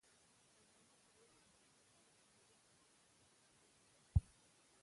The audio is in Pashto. سیلانی ځایونه د افغانستان د امنیت په اړه هم اغېز لري.